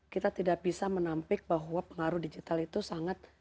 kita tidak bisa menampik bahwa pengaruh digital itu sangat